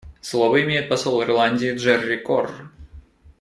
Слово имеет посол Ирландии Джерри Корр.